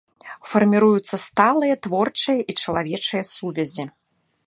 Фарміруюцца сталыя творчыя і чалавечыя сувязі.